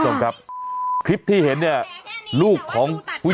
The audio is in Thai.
ทางเข้าไปเพราะว่าถ้าเราเข้าไปอ่ะ